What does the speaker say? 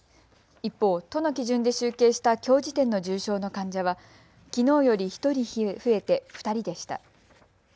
一方、都の基準で集計したきょう時点の重症の患者はきのうより１人増えて２人でした。